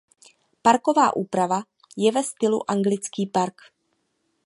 Parková úprava je ve stylu anglický park.